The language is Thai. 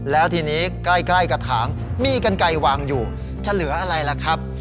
แล้วทีนี้ใกล้กระถางมีกันไกลวางอยู่จะเหลืออะไรล่ะครับ